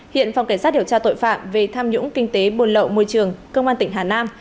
hiện phòng cảnh sát điều tra tội phạm về tham nhũng kinh tế buồn lậu môi trường công an tỉnh hà nam